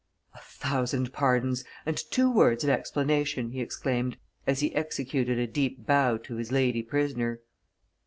"A thousands pardons and two words of explanation!" he exclaimed, as he executed a deep bow to his lady prisoner.